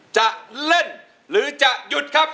จะเล่นหรือจะหยุดครับ